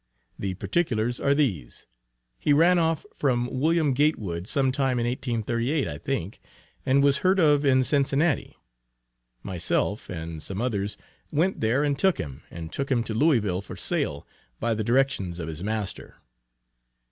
The particulars are these: He ran off from William Gatewood some time in 1838 I think, and was heard of in Cincinnati. Myself and some others went there and took him, and took him to Louisville for sale, by the directions of his master.